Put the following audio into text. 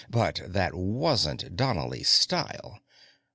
But that wasn't Donnely's style.